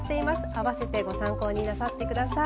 併せてご参考になさってください。